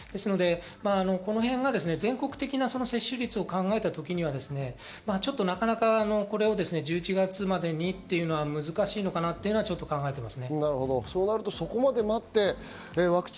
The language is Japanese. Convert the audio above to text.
この辺は全国的な接種率を考えた時にはなかなかこれを１１月までにというのは難しいかなと考えています。